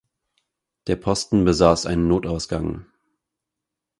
Der Posten besaß einen Notausgang.